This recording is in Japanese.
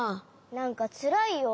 なんかつらいよ。